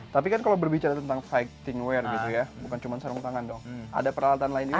tapi kan kalau berbicara tentang fightingware gitu ya bukan cuma sarung tangan dong ada peralatan lain juga